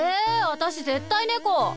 私絶対猫。